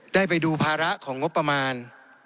ได้ไปดูภาระของงบประมาณ